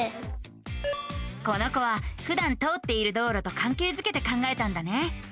この子はふだん通っている道路とかんけいづけて考えたんだね。